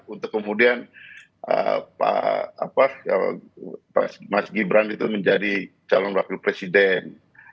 untuk kemudian mas gibran itu menjadi calon wakil presiden